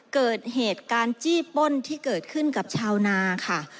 เกิดเหตุการณ์จี้ป้นที่เกิดขึ้นกับชาวนาค่ะ